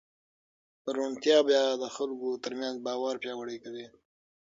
روڼتیا بیا د خلکو ترمنځ باور پیاوړی کوي.